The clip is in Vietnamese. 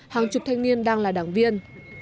hàng chục thanh niên đang là đảng viên